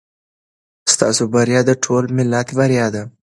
ستاسو بریا د ټول ملت بریا ده.